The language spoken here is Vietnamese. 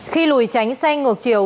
khi lùi tránh xe ngược chiều